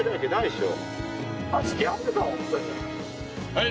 ・はい。